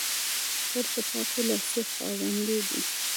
خور د پاکو لاسو خاوندې ده.